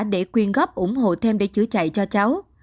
để quyên góp ủng hộ thêm để chữa chạy cho cháu